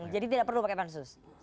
jadi tidak perlu pakai pansus